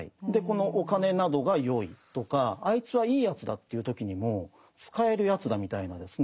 お金などがよいとかあいつはいいやつだとか言う時にも使えるやつだみたいなですね